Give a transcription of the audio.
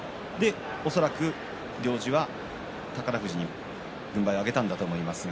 恐らく、行司は宝富士に軍配を上げたんだと思いますが